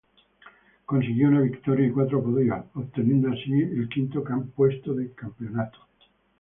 Consiguió una victoria y cuatro podios, obteniendo así el quinto puesto de campeonato.